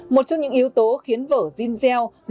một trong những yếu tố khiến vở giselle